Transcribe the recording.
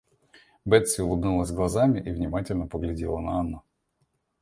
Бетси улыбнулась глазами и внимательно поглядела на Анну.